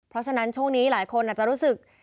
เพราะฉะนั้นช่วงนี้หลายคนอาจจะรู้สึก